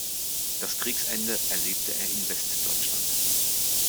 Das Kriegsende erlebte er in Westdeutschland.